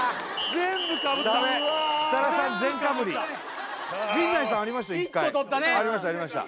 全かぶり陣内さんありましたよ